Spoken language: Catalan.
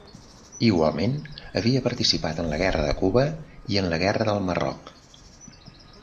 Igualment, havia participat en la guerra de Cuba i en la guerra del Marroc.